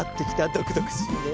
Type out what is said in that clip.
どくどくしいね。